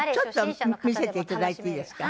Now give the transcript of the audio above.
見せて頂いていいですか？